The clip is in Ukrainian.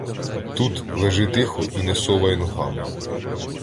Тут — лежи тихо і не совай ногами!